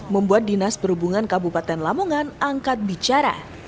membuat dinas perhubungan kabupaten lamongan angkat bicara